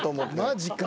マジか。